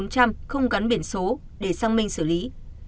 không gắn biển số để xăng minh xử lý